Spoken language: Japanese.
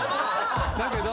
だけど。